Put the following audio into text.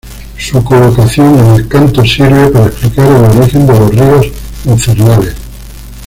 Su colocación en el canto sirve para explicar el origen de los ríos infernales.